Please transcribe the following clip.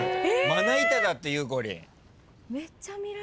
まな板だってゆうこりん。